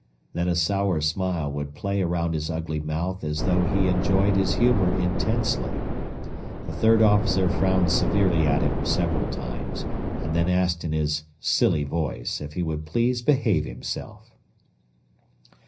Then a sour smile would play around his ugly mouth as though he enjoyed his humor intensely. The third officer frowned severely at him several times, and then asked in his silly voice if he would please behave himself.